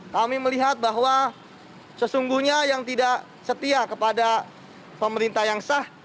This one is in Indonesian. kami melihat bahwa sesungguhnya yang tidak setia kepada pemerintah yang sah